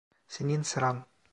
Senin sıran.